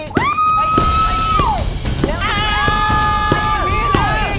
เกิน